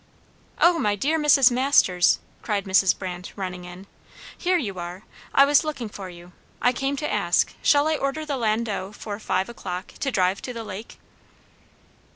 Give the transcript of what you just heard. '" "O my dear Mrs. Masters!" cried Mrs. Brandt, running in, "here you are. I was looking for you. I came to ask shall I order the landau for five o'clock, to drive to the lake?"